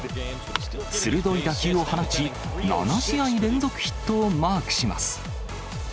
鋭い打球を放ち、７試合連続ヒットをマークします。